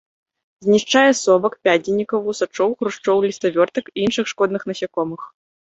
Знішчае совак, пядзенікаў, вусачоў, хрушчоў, ліставёртак і іншых шкодных насякомых.